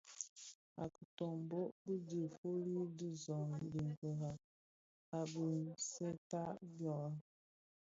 A kitömbö bi dhi fuli di zoň i biňkira a bisèntaï waa.